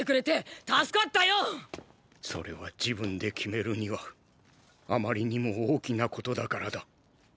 それは自分で決めるにはあまりにも大きなことだからだ。